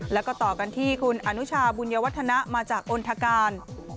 แล้วก็ต่อกันที่คุณอนุชาบุญวัฒนะมาจากอนทการ